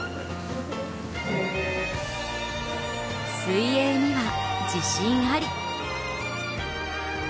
水泳には自信あり！